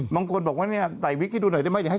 บางคนบอกว่าไต่วิกที่ดูหน่อยได้ไหมอยากให้๒๐๐